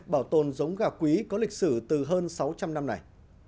bảo tồn giống gà quý có lịch sử từ hơn sáu trăm linh năm này